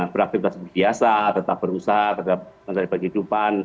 beraktivitas biasa tetap berusaha tetap mencari penghidupan